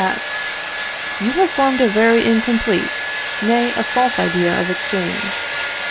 F. You have formed a very incomplete, nay a false idea of exchange.